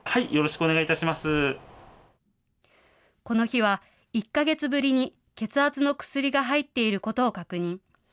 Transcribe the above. この日は、１か月ぶりに血圧の薬が入っていることを確認。